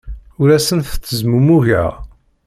Ur asent-ttezmumugeɣ.